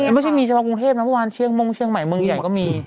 ไม่ใช่มีเฉพาะกรุงเทพนะเมื่อวานเชียงมงเชียงใหม่เมืองใหญ่ก็มี